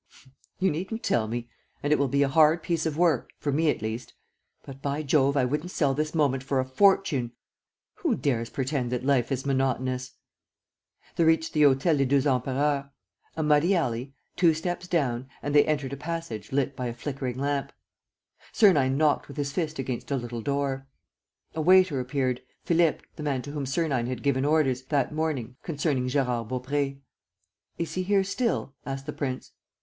"You needn't tell me! And it will be a hard piece of work, for me, at least. ... But, by Jove, I wouldn't sell this moment for a fortune! Who dares pretend that life is monotonous?" They reached the Hôtel des Deux Empereurs. A muddy alley; two steps down; and they entered a passage lit by a flickering lamp. Sernine knocked with his fist against a little door. A waiter appeared, Philippe, the man to whom Sernine had given orders, that morning, concerning Gérard Baupré. "Is he here still?" asked the prince.